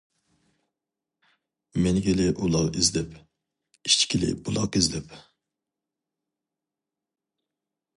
مىنگىلى ئۇلاغ ئىزدەپ، ئىچكىلى بۇلاق ئىزدەپ.